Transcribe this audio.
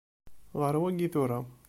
Ɣeṛ wayi tura.